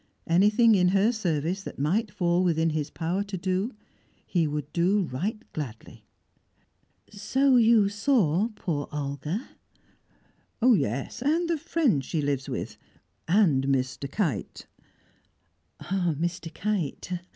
Anything in her service that might fall within his power to do, he would do right gladly. "So you saw poor Olga?" "Yes, and the friend she lives with and Mr. Kite." "Ah! Mr. Kite!"